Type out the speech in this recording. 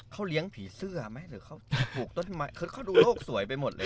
เขาเลี้ยงผีเสื้อไหมหรือเขาปลูกต้นไม้คือเขาดูโลกสวยไปหมดเลย